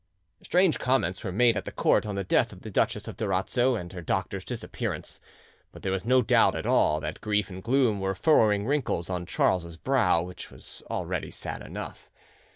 Strange comments were made at the court on the death of the Duchess of Durazzo and her doctor's disappearance; but there was no doubt at all that grief and gloom were furrowing wrinkles on Charles's brow, which was already sad enough.